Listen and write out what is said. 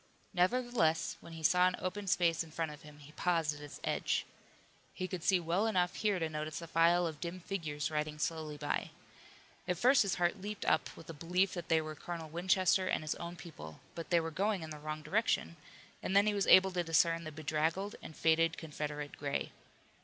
Nevertheless when he saw an open space in front of him he paused at its edge. He could see well enough here to notice a file of dim figures riding slowly by. At first his heart leaped up with the belief that they were Colonel Winchester and his own people, but they were going in the wrong direction, and then he was able to discern the bedraggled and faded Confederate gray.